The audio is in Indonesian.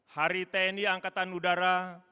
hari tni angkatan udara